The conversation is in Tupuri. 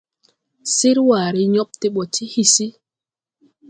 Sir waaré yob de ɓɔ ti hisi.